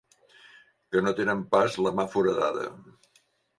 Que no tenen pas la mà foradada.